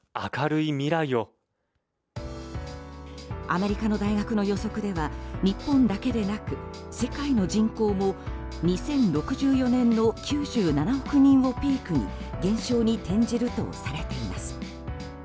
アメリカの大学の予測では日本だけでなく世界の人口も２０６４年の９７億人をピークに減少に転じるとされています。